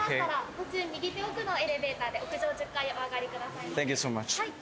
途中右手奥のエレベーターで屋上１０階へお上がりくださいませはい